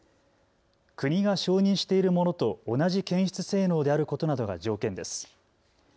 国が承認しているものと同じ検出性能であることなどが条件です。